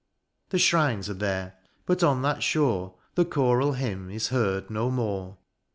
The shrines are there, but on that shore The choral hymn is heard no more.